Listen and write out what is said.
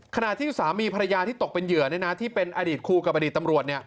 ขณะที่สามีภรรยาที่ตกเป็นเหยื่อที่เป็นอดีตครูกับอดีตตำรวจ